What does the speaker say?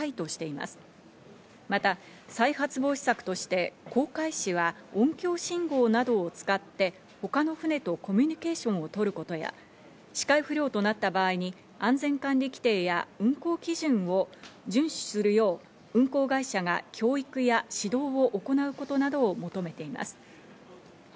また再発防止策として航海士は音響信号などを使って他の船とコミュニケーションをとることや、視界不良となった場合に安全管理規定や運航基準を遵守するよう運航会社が教育や指導を行うことなどを求めています。